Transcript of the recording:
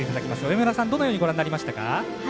上村さん、どのようにご覧になりましたか？